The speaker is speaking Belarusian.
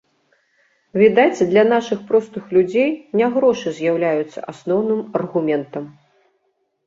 Відаць, для нашых простых людзей не грошы з'яўляюцца асноўным аргументам!